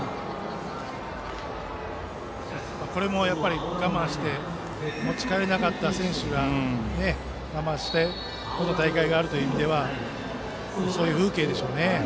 これも持ち帰れなかった選手が我慢してこの大会があるという意味ではそういう風景でしょうね。